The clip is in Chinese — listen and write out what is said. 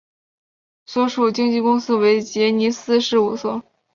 所属经纪公司为杰尼斯事务所。